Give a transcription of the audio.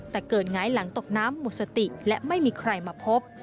แต่เกิดหงายหลังตกน้ำหมดสติและไม่มีใครมาพบ